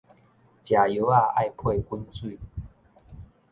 食藥仔愛配滾水